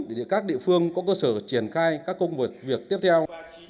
để các địa phương có cơ sở triển khai các công việc việc tiếp theo